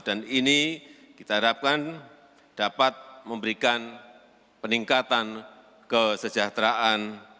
dan ini kita harapkan dapat memberikan peningkatan kesejahteraan